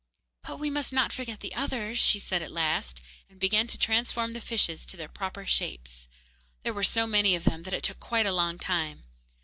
'But we must not forget the others,' she said at last, and began to transform the fishes to their proper shapes. There were so many of them that it took quite a long time.